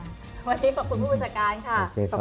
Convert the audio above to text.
วันนี้ขอบคุณผู้บัญชาการค่ะ